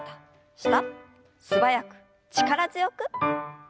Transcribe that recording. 素早く力強く。